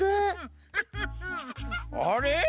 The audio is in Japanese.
あれ？